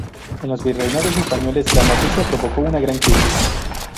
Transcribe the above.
En los virreinatos españoles, la noticia provocó una gran crisis.